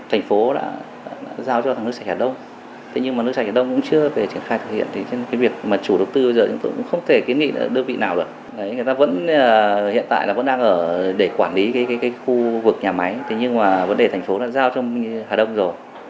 hiện tại vẫn đang ở để quản lý cái khu vực nhà máy nhưng mà vấn đề thành phố đã giao trong hà đông rồi